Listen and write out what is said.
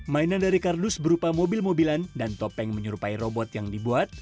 mainan dari kardus berupa mobil mobilan dan topeng menyerupai robot yang dibuat